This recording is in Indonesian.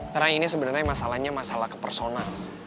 karena ini sebenernya masalahnya masalah kepersonal